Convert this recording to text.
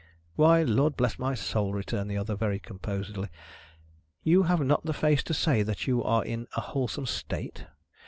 "Why, Lord bless my soul," returned the other, very composedly, "you have not the face to say that you are in a wholesome state?